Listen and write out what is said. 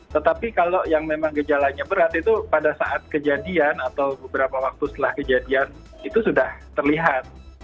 tetapi kalau yang memang gejalanya berat itu pada saat kejadian atau beberapa waktu setelah kejadian itu sudah terlihat